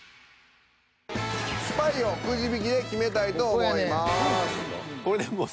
スパイをくじ引きで決めたいと思います。